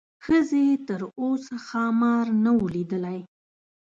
ښځې تر اوسه ښامار نه و لیدلی.